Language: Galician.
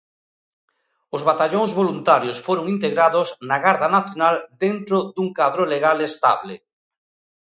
Os batallóns voluntarios foron integrados na Garda Nacional dentro dun cadro legal estable.